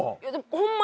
ホンマ